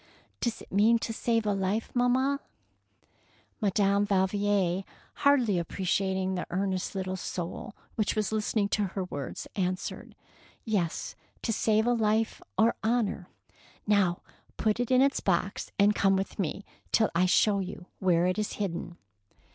" Does it mean to save a life, mamma? " 186 THE PEARL NECKLACE Madame Valvier, hardly appreciating the earnest little soul which was listen ing to her words, answered, — Yes, to save life or honour. Now, put it in its box, and come with me till I show you where it is hidden.